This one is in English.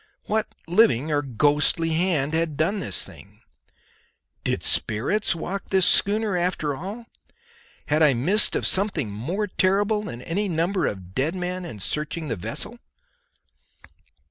What living or ghostly hand had done this thing? Did spirits walk this schooner after all? Had I missed of something more terrible than any number of dead men in searching the vessel?